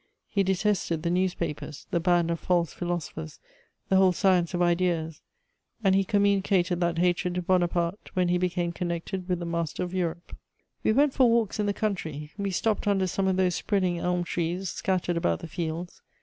He detested the newspapers, the band of false philosophers, the whole science of ideas, and he communicated that hatred to Bonaparte, when he became connected with the master of Europe. We went for walks in the country; we stopped under some of those spreading elm trees scattered about the fields.